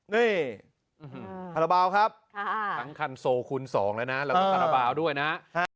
นี่คาราบาลครับทั้งคันโซคูณ๒แล้วนะแล้วก็คาราบาลด้วยนะ